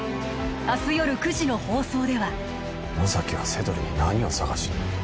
明日夜９時の放送では野崎はセドルに何を探しに？